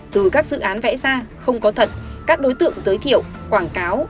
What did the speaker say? từ các dự án vẽ ra không có thật các đối tượng giới thiệu quảng cáo